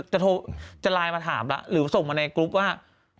จะโทรจะไลน์มาถามหรือส่งมาในกรุ๊ปว่า